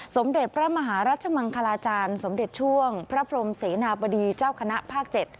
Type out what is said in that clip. สมเด็จพระมหารัชมังคลาจารย์สมเด็จช่วงพระพรมเสนาบดีเจ้าคณะภาค๗